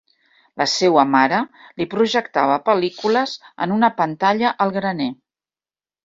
La seua mare li projectava pel·lícules en una pantalla al graner.